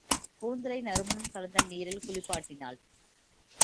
கூந்தலை நறுமணம் கலந்த நீரில் குளிப்பாட்டினாள்.